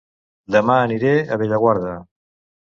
Dema aniré a Bellaguarda